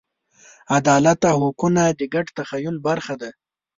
عدالت او حقونه د ګډ تخیل برخه ده.